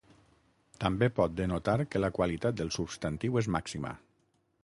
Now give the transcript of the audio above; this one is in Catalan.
També pot denotar que la qualitat del substantiu és màxima.